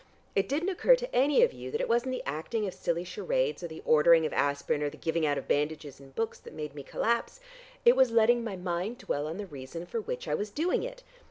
It didn't occur to any of you that it wasn't the acting of silly charades or the ordering of aspirin or the giving out of bandages and books that made me collapse: it was letting my mind dwell on the reason for which I was doing it.